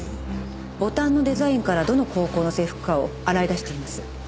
ボタンのデザインからどの高校の制服かを洗い出しています。